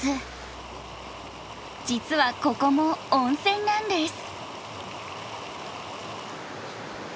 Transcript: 実はここも温泉なんです。